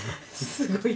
すごい。